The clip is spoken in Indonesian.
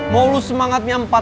mau lu semangatnya empat puluh lima